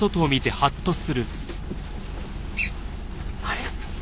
あれ？